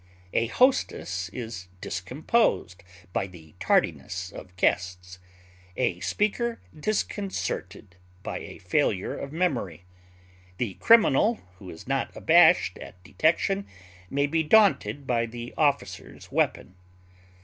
A hostess is discomposed by the tardiness of guests, a speaker disconcerted by a failure of memory. The criminal who is not abashed at detection may be daunted by the officer's weapon.